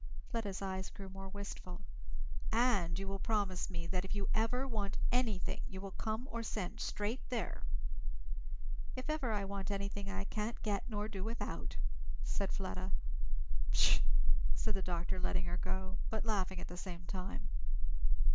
Fleda's eyes grew more wistful. "And will you promise me that if ever you want anything you will come or send straight there?" "If ever I want anything I can't get nor do without," said Fleda. "Pshaw!" said the doctor letting her go, but laughing at the same time.